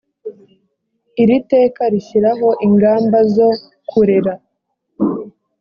iri teka rishyiraho ingamba zo kurera .